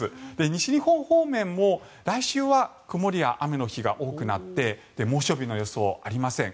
西日本方面も来週は曇りや雨の日が多くなって猛暑日の予想、ありません。